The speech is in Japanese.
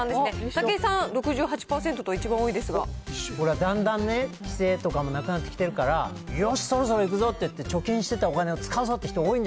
武井さん、ほら、だんだんね、規制とかもなくなってきてるから、よし、そろそろ行くぞといって、貯金してたお金を使うぞっていう人、多